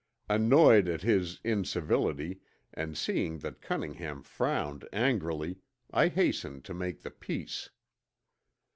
Annoyed at his incivility, and seeing that Cunningham frowned angrily, I hastened to make the peace.